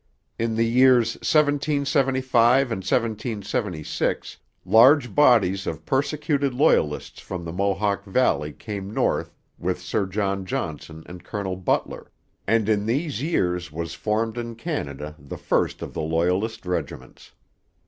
In the years 1775 and 1776 large bodies of persecuted Loyalists from the Mohawk valley came north with Sir John Johnson and Colonel Butler; and in these years was formed in Canada the first of the Loyalist regiments.